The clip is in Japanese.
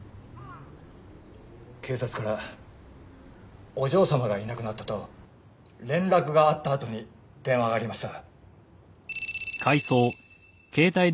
警察からお嬢様がいなくなったと連絡があったあとに電話がありました。